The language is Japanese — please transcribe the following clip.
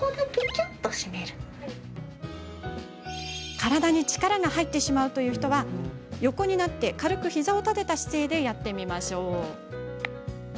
体に力が入ってしまう人は横になって軽く膝を立てた姿勢でやってみましょう。